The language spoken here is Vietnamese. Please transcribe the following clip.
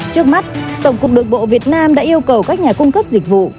trước mắt tổng cục đường bộ việt nam đã yêu cầu các nhà cung cấp dịch vụ